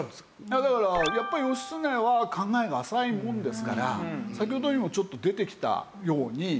だからやっぱり義経は考えが浅いもんですから先ほどにもちょっと出てきたように。